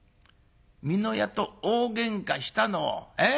美濃屋と大げんかしたのを。